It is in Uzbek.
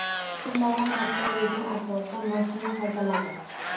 Tunlari qattiq rejim asosida moshina haydaladi